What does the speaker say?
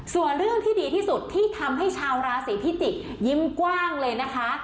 ส่วนเรื่องที่ดีที่สุดที่ทำให้ชาวราศีพิจิกยิ้มกว้างเลยนะคะ